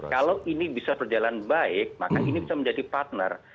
kalau ini bisa berjalan baik maka ini bisa menjadi partner